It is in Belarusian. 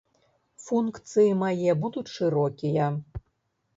Функцыі мае будуць шырокія.